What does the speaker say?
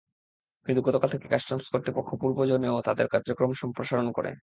কিন্তু গতকাল থেকে কাস্টমস কর্তৃপক্ষ পূর্ব জোনেও তাদের কার্যক্রম সম্প্রসারণ করে।